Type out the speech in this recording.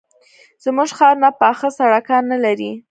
زموږ ښارونه پاخه سړکان نه لري.